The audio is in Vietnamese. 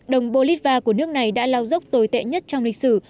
đồng bolivar của nước này đã lao dốc tồi tệ nhất trong lịch sử